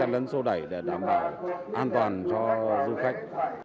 hai lấn sô đẩy để đảm bảo an toàn cho du khách